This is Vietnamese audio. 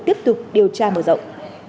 tiếp tục điều tra mở rộng